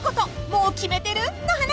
もう決めてる？の話］